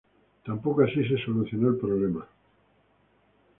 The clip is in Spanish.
Tampoco así se solucionó el problema.